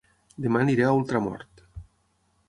Dema aniré a Ultramort